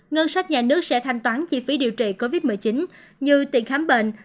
ngân sách nhà nước sẽ thanh toán chi phí điều trị covid một mươi chín như tiền khám bệnh